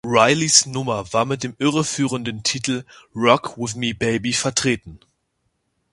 Rileys Nummer war mit dem irreführenden Titel "Rock with Me Baby" vertreten.